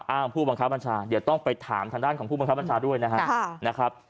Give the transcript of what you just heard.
ผู้บังคับบัญชาเดี๋ยวต้องไปถามทางด้านของผู้บังคับบัญชาด้วยนะครับ